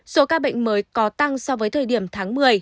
số ca bệnh mới có tăng so với thời điểm tháng một mươi